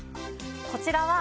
こちらは。